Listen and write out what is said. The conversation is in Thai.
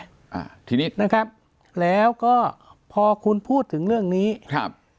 อ่าทีนี้นะครับแล้วก็พอคุณพูดถึงเรื่องนี้ครับ